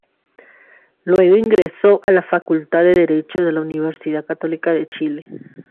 Luego ingresó a la Facultad de Derecho de la Universidad Católica de Chile.